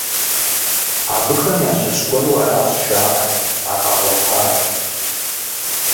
Абыхэм ящыщ гуэру аращ жаӏэр а къагъуэтар.